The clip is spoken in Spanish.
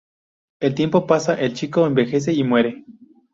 El tiempo pasa, el chico envejece y muere.